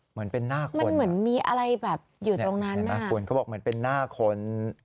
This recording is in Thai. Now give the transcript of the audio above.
เอ๊ะมันเหมือนมีอะไรอยู่ตรงนั้นอ่ะนะฮะเหมือนเป็นหน้าคน